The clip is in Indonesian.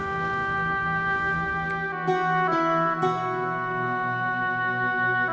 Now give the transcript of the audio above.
waktunya sudah masuk